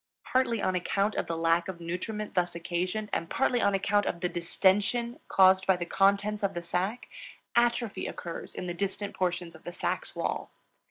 Partly on account of the lack of nutriment thus occasioned and partly on account of the distention caused by the contents of the sac, atrophy occurs in the distant portions of the sac's wall.